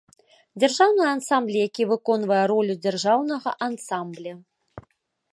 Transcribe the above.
Дзяржаўны ансамбль, які выконвае ролю дзяржаўнага ансамбля.